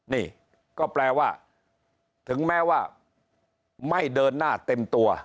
นี่ก็แปลว่าถึงแม้ว่าไม่เดินหน้าเต็มตัว